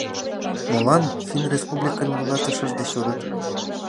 «Молан?» — финн республикын вуйлатышыж деч йодыт.